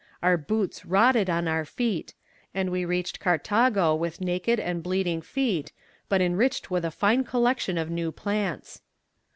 Our boots rotted on our feet, and we reached Carthago with naked and bleeding feet, but enriched with a fine collection of new plants.